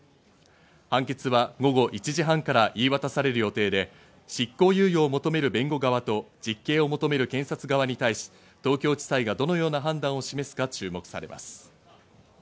判決は午後１時半から言い渡される予定で、執行猶予を求める弁護側と実刑を求める検察側に対し、東京地裁がどのような判断を示すか注目されます。